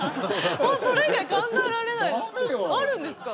もうそれ以外考えられないダメよあるんですか？